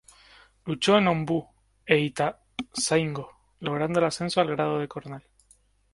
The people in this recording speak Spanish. Luchó en Ombú e Ituzaingó, logrando el ascenso al grado de coronel.